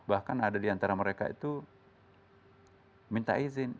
bahkan ada di antara mereka itu minta izin